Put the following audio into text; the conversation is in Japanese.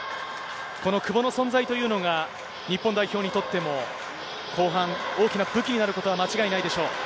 この久保の存在というのが、日本代表にとっても、後半、大きな武器になることは間違いないでしょう。